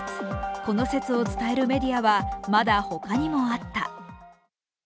この説を伝えるメディアは、まだ他にもあった。